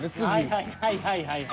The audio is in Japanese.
はいはいはいはい。